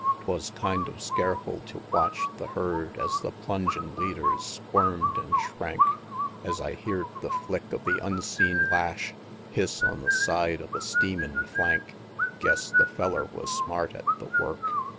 XLVII. 'Twas kind of scareful tew watch the herd, Es the plungin' leaders squirm'd an' shrank Es I heerd the flick of the unseen lash Hiss on the side of a steamin' flank. Guess the feller was smart at the work!